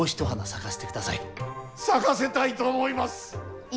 咲かせたいと思います。